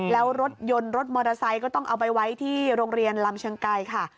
แล้วรถยนต์รถมอเตอร์ไซค์ก็ต้องเอาไปไว้ที่โรงเรียนลำเชิงไกรค่ะ